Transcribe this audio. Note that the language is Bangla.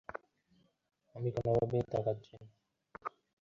আমি কোনোভাবেই তাকাচ্ছি না।